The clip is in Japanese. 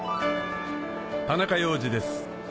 田中要次です